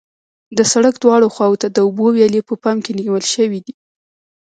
د سرک دواړو خواو ته د اوبو ویالې په پام کې نیول شوې دي